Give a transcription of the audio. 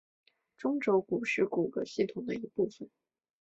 中轴骨是骨骼系统的一部分。